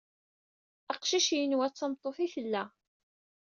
Aqcic yenwa d tameṭṭut i tella.